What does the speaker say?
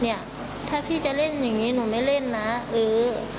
นี่เฮ้อถ้าเอานี้ถึงจะเล่นอย่างนี้หนูไม่มาเล่นนะเอก